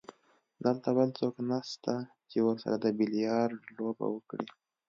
دلته بل څوک نشته چې ورسره د بیلیارډ لوبه وکړي.